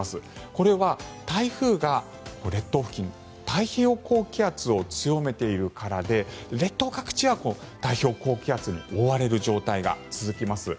これは台風が列島付近太平洋高気圧を強めているからで列島各地は太平洋高気圧に覆われる状態が続きます。